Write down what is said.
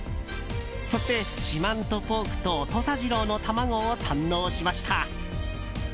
そして四万十ポークと土佐ジローの卵を堪能しました。